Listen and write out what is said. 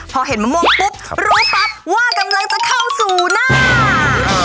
พอเห็นมะม่วงปุ๊บรู้ปั๊บว่ากำลังจะเข้าสู่หน้า